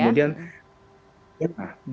kemudian ya lah